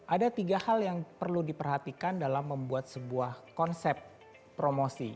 ada tiga hal yang perlu diperhatikan dalam membuat sebuah konsep promosi